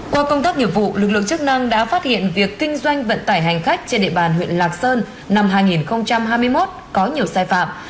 qua công tác nghiệp vụ lực lượng chức năng đã phát hiện việc kinh doanh vận tải hành khách trên địa bàn huyện lạc sơn năm hai nghìn hai mươi một có nhiều sai phạm